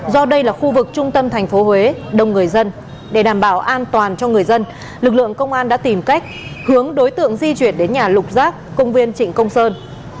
do đây là khu vực trung tâm thành phố huế đông người dân để đảm bảo an toàn cho người dân lực lượng công an đã tìm cách hướng đối tượng di chuyển đến nhà lục giác công viên trịnh công sơn